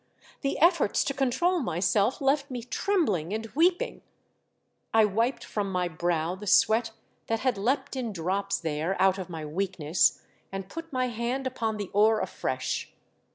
The efforts to control myself left me trembling and weeping. I wiped from my brow the sweat that had leapt in drops there out of my weakness, and put my hand upon the oar afresh.